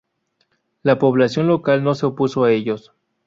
La población local no se opuso a ellos.